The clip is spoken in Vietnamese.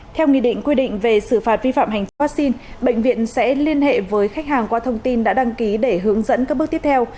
theo nghị định quy định về xử phạt vi phạm hành chính vaccine bệnh viện sẽ liên hệ với khách hàng qua thông tin đã đăng ký để hướng dẫn các bước tiếp theo